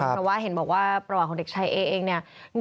เพราะว่าเห็นบอกว่าประหว่างของเด็กชายเอเอง